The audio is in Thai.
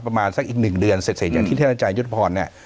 ประมาณสักอีก๑เดือนเสร็จจากที่เทศนาจัยยุทธพรเนี่ย